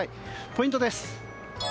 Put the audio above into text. ポイントです。